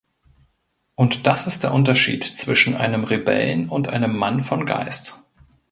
Und das ist der Unterschied zwischen einem Rebellen und einem Mann von Geist.